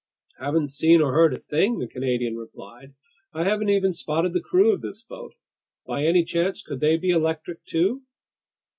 "Haven't seen or heard a thing!" the Canadian replied. "I haven't even spotted the crew of this boat. By any chance, could they be electric too?"